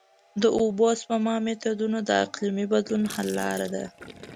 د اوبو د سپما میتودونه د اقلیمي بدلون حل لاره ده.